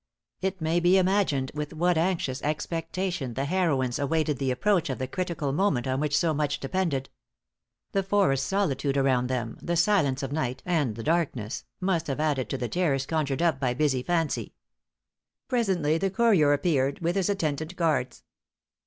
It may be imagined with what anxious expectation the heroines awaited the approach of the critical moment on which so much depended. The forest solitude around them, the silence of night, and the darkness, must have added to the terrors conjured up by busy fancy. Presently the courier appeared, with his attendant guards.